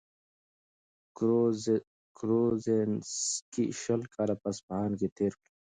کروزینسکي شل کاله په اصفهان کي تېر کړل.